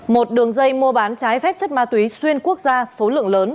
một đường dây mua bán trái phép chất ma túy xuyên quốc gia số lượng lớn